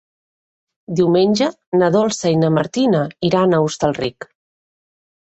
Diumenge na Dolça i na Martina iran a Hostalric.